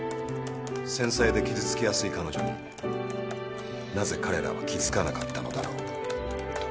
「繊細で傷つきやすい彼女になぜ彼らは気付かなかったのだろう？」